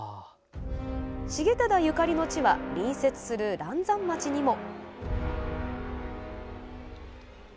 重忠ゆかりの地は隣接する嵐山町にも。